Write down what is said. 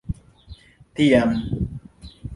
tiam